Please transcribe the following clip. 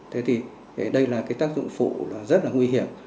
thế thì đây là tác dụng phụ rất nguy hiểm